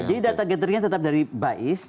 jadi data gatheringnya tetap dari baiz